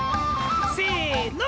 せの！